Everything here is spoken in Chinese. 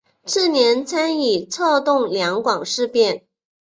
次年参与策动两广事变。